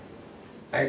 はい。